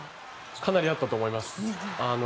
かなりあったと思います。